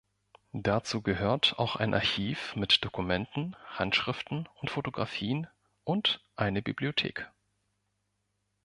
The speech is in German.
Dazu gehört auch ein Archiv mit Dokumenten, Handschriften und Fotografien und eine Bibliothek.